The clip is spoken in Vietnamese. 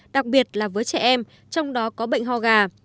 đặc biệt là với trẻ em trong đó có bệnh ho gà